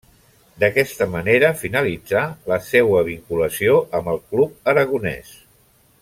D'aquesta manera finalitzà la seua vinculació amb el club aragonès.